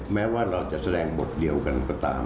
แม้ว่าเราจะแสดงบทเดียวกันก็ตาม